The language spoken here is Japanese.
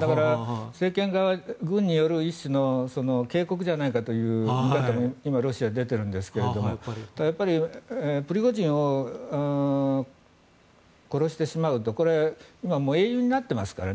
だから、政権側、軍による一種の警告じゃないかという見方も今、ロシアで出ているんですがただ、プリゴジンを殺してしまうと今、英雄になっていますからね。